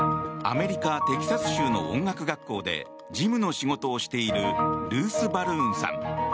アメリカ・テキサス州の音楽学校で事務の仕事をしているルース・バルーンさん。